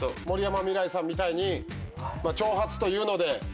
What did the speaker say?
森山未來さんみたいに長髪というので。